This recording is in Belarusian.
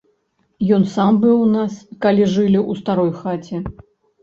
Ён сам быў у нас, калі жылі ў старой хаце.